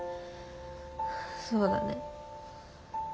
そうだね。